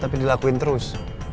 tapi dilakuin terus